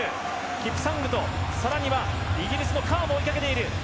キプサングがきて更にはイギリスのカーも出ている。